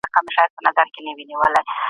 تجاوز په اسلام کي ځای نه لري.